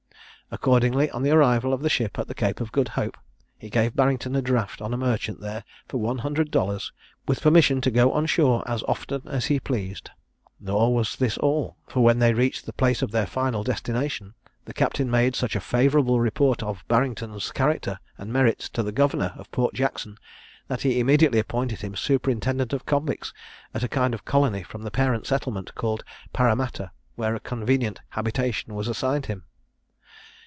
Accordingly, on the arrival of the ship at the Cape of Good Hope, he gave Barrington a draft on a merchant there for one hundred dollars, with permission to go on shore as often as he pleased. Nor was this all; for, when they reached the place of their final destination, the captain made such a favourable report of Barrington's character and merits to the governor of Port Jackson, that he immediately appointed him superintendant of convicts at a kind of colony from the parent settlement, called Paramatta, where a convenient habitation was assigned him.